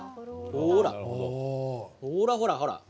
ほらほらほらほら